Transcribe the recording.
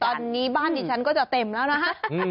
ตอนนี้บ้านดิฉันก็จะเต็มแล้วนะฮะ